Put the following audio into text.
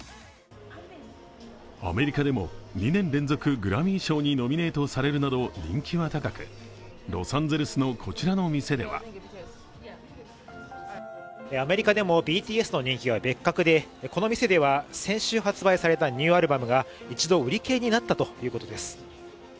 アメリカでも２年連続グラミー賞にノミネートされるなど人気は高くロサンゼルスのこちらの店ではアメリカでもＢＴＳの人気は別格でこの店では先週発売されたニューアルバムが一度売り切れになったということです。